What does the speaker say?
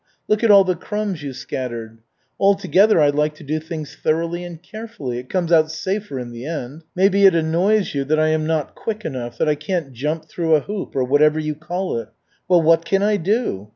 Look at all the crumbs you scattered. Altogether, I like to do things thoroughly and carefully. It comes out safer in the end. Maybe it annoys you that I am not quick enough, that I can't jump through a hoop, or whatever you call it. Well, what can I do?